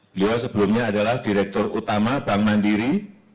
beliau sebelumnya adalah direktur utama bank mandiri